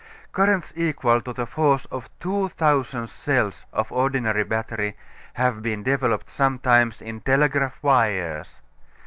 Currents equal to the force of 2,000 cells of ordinary battery have been developed sometimes in telegraph wires.